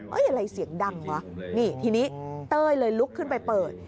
อะไรเสียงดังวะนี่ทีนี้เต้ยเลยลุกขึ้นไปเปิด